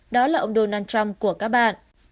đó là ông donald trump của các bạn